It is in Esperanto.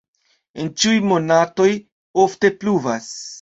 En ĉiuj monatoj ofte pluvas.